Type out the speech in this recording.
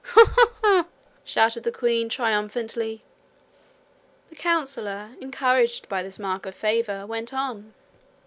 'Ha! ha! ha!' shouted the queen triumphantly. The councillor, encouraged by this mark of favour, went on.